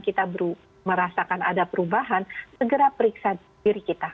kita merasakan ada perubahan segera periksa diri kita